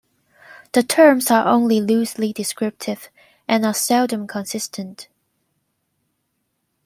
The terms are only loosely descriptive and are seldom consistent.